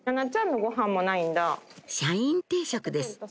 社員定食です